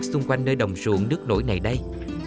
xung quanh nơi đồng ruộng nước nổi này đây